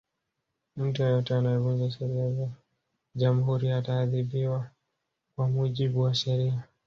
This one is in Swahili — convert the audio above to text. mtu yeyote anayevunja sheria za jamhuri ataadhibiwa kwa mujibu wa sheria